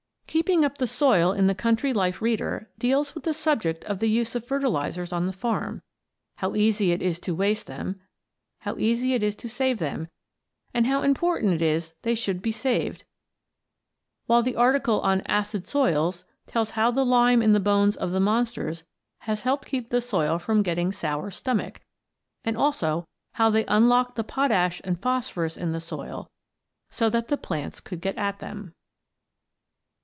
"Keeping Up the Soil," in "The Country Life Reader," deals with the subject of the use of fertilizers on the farm how easy it is to waste them, how easy it is to save them, and how important it is that they should be saved; while the article on "Acid Soils" tells how the lime in the bones of the monsters has helped keep the soil from getting "sour stomach," and also how they unlocked the potash and phosphorus in the soil so that the plants could get at them.